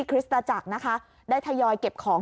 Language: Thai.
คริสตจักรนะคะได้ทยอยเก็บของ